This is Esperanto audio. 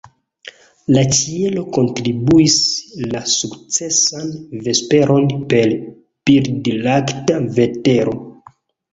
La ĉielo kontribuis la sukcesan vesperon per birdlakta vetero.